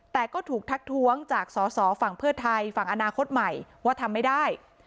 แต่ก็ถูกทักท้วงจากสอสอฝั่งเพื่อไทยฝั่งอนาคตใหม่ว่าทำไม่ได้